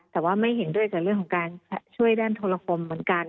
แต่ว่าไม่เห็นด้วยกับเรื่องของการช่วยด้านโทรคมเหมือนกัน